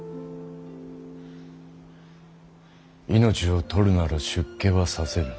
命を取るなら出家はさせぬ。